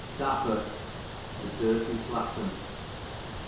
Daffock, a dirty slattern.